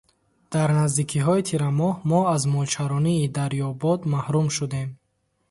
Дар наздикиҳои тирамоҳ мо аз молчаронии дарёбод маҳрум шудем.